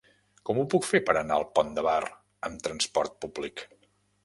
Com ho puc fer per anar al Pont de Bar amb trasport públic?